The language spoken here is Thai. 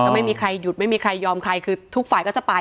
ไม่มีใครหยุดไม่มีใครยอมใครคือทุกฝ่ายก็จะไป